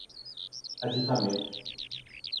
aditamento